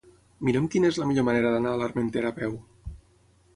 Mira'm quina és la millor manera d'anar a l'Armentera a peu.